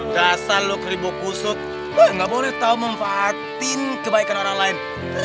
dah selalu keribuk busuk nggak boleh tahu memfaatin kebaikan orang lain